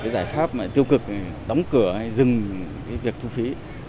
giải pháp tiêu cực đóng cửa hay dừng việc thu phí